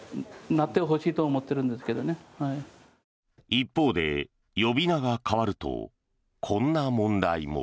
一方で呼び名が変わるとこんな問題も。